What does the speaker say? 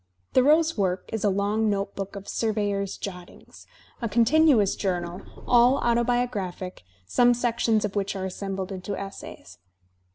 Thoreau's work is a long notebook of "surveyor's" jot tings, a continuous journal, all autobiographic, some sections of which are assembled into essays.